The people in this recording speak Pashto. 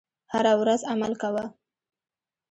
هره ورځ عمل کوه .